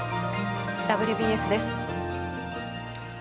「ＷＢＳ」です。